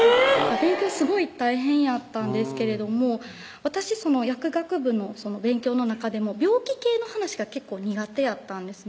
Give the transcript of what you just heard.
勉強すごい大変やったんですけど私薬学部のその勉強の中でも病気系の話が結構苦手やったんですね